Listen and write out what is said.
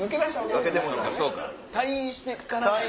退院してから。